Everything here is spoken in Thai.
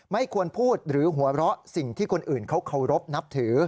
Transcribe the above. ไม่ควรพูดหรือหัวเราะสิ่งที่คนอื่นเขาเคารพนับถือ